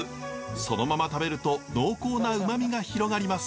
そのまま食べると濃厚なうまみが広がります。